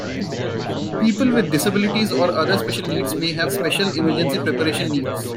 People with disabilities or other special needs may have special emergency preparation needs.